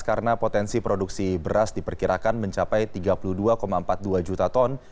karena potensi produksi beras diperkirakan mencapai tiga puluh dua empat puluh dua juta ton